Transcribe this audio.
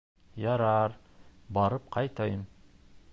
— Ярар, барып ҡайтайым.